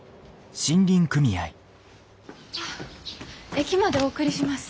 駅までお送りします。